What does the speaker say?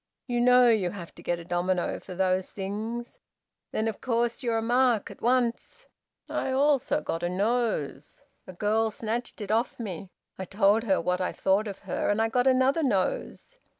You know you have to get a domino for those things. Then, of course, you're a mark at once. I also got a nose. A girl snatched it off me. I told her what I thought of her, and I got another nose.